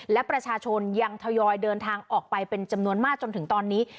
และประชาชนยังทยอยเดินทางออกไปเป็นจำนวนมากจนถึงตอนนี้